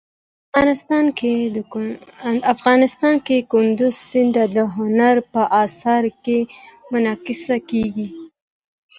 افغانستان کې کندز سیند د هنر په اثار کې منعکس کېږي.